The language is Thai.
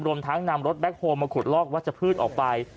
รวมทั้งนำรถแบ็คโฮลมาขุดลอกวัชพืชออกไป